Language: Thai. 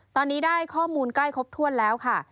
ตอนนี้ได้ข้อมูลใกล้ครบถ้วนแล้วค่ะ